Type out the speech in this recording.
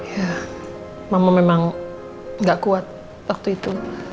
ya mama memang gak kuat waktu itu